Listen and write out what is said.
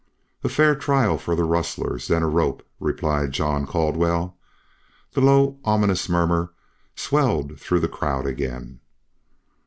"A fair trial for the rustlers, then a rope," replied John Caldwell. The low ominous murmur swelled through the crowd again.